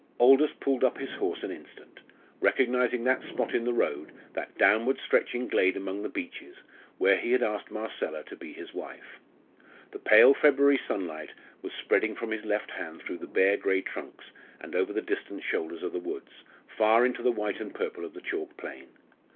Aldous pulled up his horse an instant, recognising that spot in the road, that downward stretching glade among the beeches, where he had asked Marcella to be his wife. The pale February sunlight was spreading from his left hand through the bare grey trunks, and over the distant shoulders of the woods, far into the white and purple of the chalk plain.